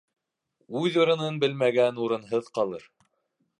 Үҙ урынын белмәгән урынһыҙ ҡалыр.